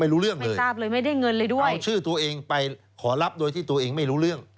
ไม่รู้เรื่องเลยเอาชื่อตัวเองไปขอรับโดยที่ไม่รู้เรื่อง